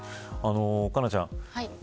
佳菜ちゃん